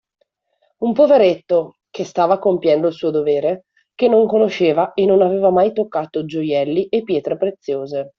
Un poveretto, che stava compiendo il suo dovere, che non conosceva e non aveva mai toccato gioielli e pietre preziose.